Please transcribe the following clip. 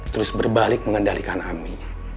terus berbalik mengendalikan ami